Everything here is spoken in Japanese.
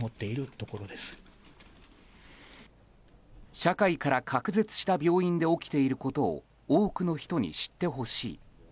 社会から隔絶した病院で起きていることを多くの人に知ってほしい。